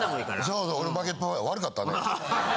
そうそう俺負け悪かったな。